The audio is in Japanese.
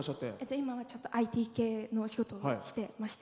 今はちょっとＩＴ系のお仕事していまして。